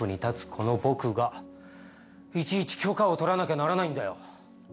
この僕がいちいち許可を取らなきゃならないんだよ。